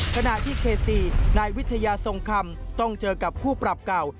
ขณะที่เขต๔นายวิทยาทรงคำต้องเจอกับคู่ปรับเก่า